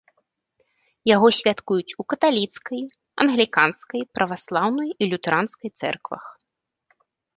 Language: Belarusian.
Яго святкуюць у каталіцкай, англіканскай, праваслаўнай і лютэранскай цэрквах.